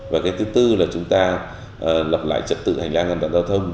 và cái thứ tư là chúng ta lập lại trật tự hành lang an toàn giao thông